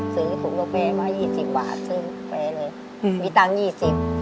ซื้อถุงกาแฟมา๒๐บาทซื้อกาแฟเลยมีตังค์๒๐